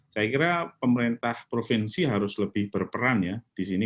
saya kira pemerintah provinsi harus lebih berperan ya di sini